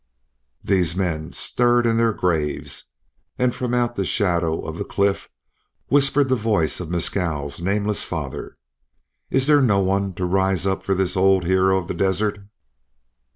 These men stirred in their graves, and from out the shadow of the cliff whispered the voice of Mescal's nameless father: "Is there no one to rise up for this old hero of the desert?"